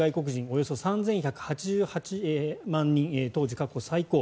およそ３１８８万人当時、過去最高。